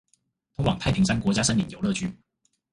通往太平山國家森林遊樂區